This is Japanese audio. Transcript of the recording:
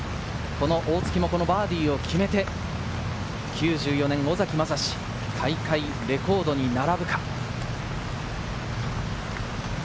この大槻もバーディーを決めて、９４年、尾崎将司、大会レコードに並ぶか。